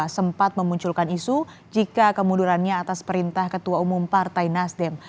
sempat memunculkan isu jika kemundurannya atas perintah ketua umum partai nasdem